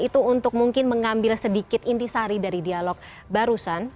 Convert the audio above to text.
itu untuk mungkin mengambil sedikit intisari dari dialog barusan